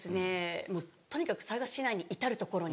もうとにかく佐賀市内に至る所に。